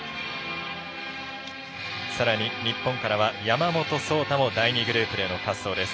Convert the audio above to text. さらに日本からは山本草太も第２グループでの滑走です。